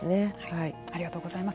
ありがとうございます。